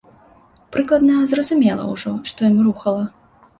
Прыкладна зразумела ўжо, што ім рухала.